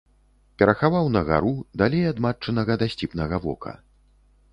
Перахаваў на гару, далей ад матчынага дасціпнага вока.